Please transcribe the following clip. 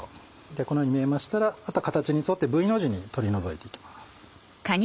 このように見えましたら形に沿ってＶの字に取り除いていきます。